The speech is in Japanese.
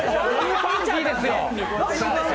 ファンキーですよ。